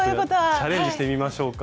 チャレンジしてみましょうか。